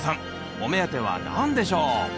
お目当ては何でしょう？